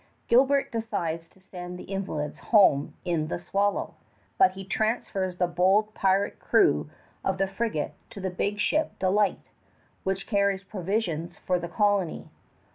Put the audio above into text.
Gilbert decides to send the invalids home in the Swallow; but he transfers the bold pirate crew of that frigate to the big ship Delight, which carries provisions for the colony.